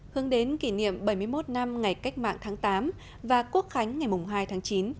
hướng đến kỷ niệm bảy mươi một năm ngày cách mạng tháng tám và quốc khánh ngày hai tháng chín